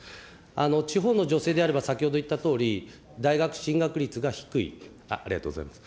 地方の女性であれば、先ほど言ったとおり、大学進学率が低い、ありがとうございます。